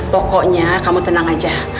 pokoknya kamu tenang aja